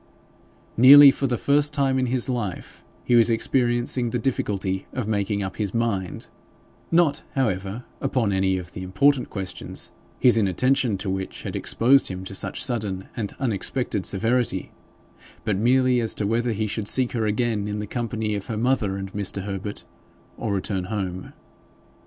Nearly for the first time in his life he was experiencing the difficulty of making up his mind, not, however, upon any of the important questions, his inattention to which had exposed him to such sudden and unexpected severity, but merely as to whether he should seek her again in the company of her mother and Mr. Herbert, or return home.